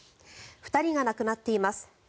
２人が亡くなっています。